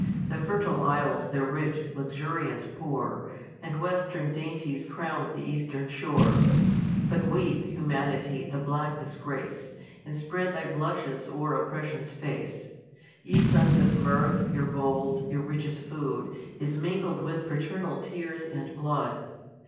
The fertile isles their rich luxuriance pour, Aad western dainties crown the eastern shore. But ^38 THE COLUMBIAN ORATOR. But weep, humanity, the black disgrace, And spread thy blushes o'er oppression's face! Ye sons of mirth, your bowls, your richest food., IS mingled with fraternal tears and blood.